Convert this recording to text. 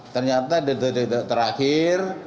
ternyata di tahap terakhir